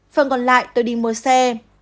phần còn lại tôi đi mua xe